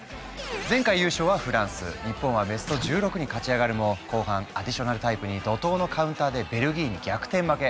前回優勝はフランス日本はベスト１６に勝ち上がるも後半アディショナルタイムに怒とうのカウンターでベルギーに逆転負け。